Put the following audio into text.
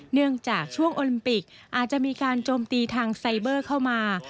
เนื่องจากช่วงโอลิมปิกอาจจะมีการโจมตีทางไซเบอร์เข้ามา